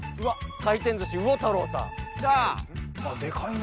回転寿司魚太郎さんきた！